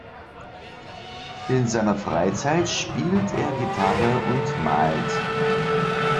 In seiner Freizeit spielt er Gitarre und malt.